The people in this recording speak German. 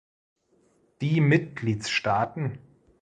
Die Mitgliedstaaten!